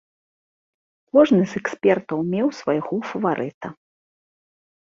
Кожны з экспертаў меў свайго фаварыта.